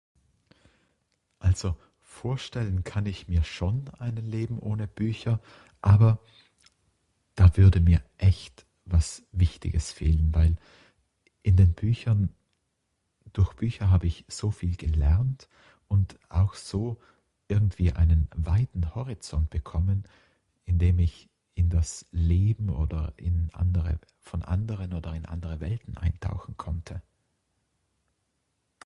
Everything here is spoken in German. Also vorstellen kann ich mir schon ein Leben ohne Bücher aber, da würde mir echt was wichtiges fehlen weil, in den Büchern, durch Bücher hab ich soviel gelernt und auch so irgendwie einen weiten Horizont bekommen in dem ich in das Leben oder in andere, von anderen oder in andere Welten eintauchen konnte.